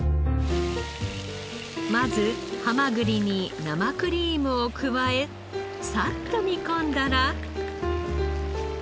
まずハマグリに生クリームを加えさっと煮込んだら。